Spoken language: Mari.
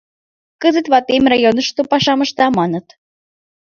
Кызыт ватем районышто пашам ышта, маныт.